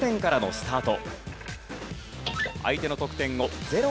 スタート！